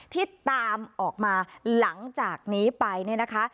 ที่ตามออกมาหลังจากนี้ไปเนี่ยนะคะ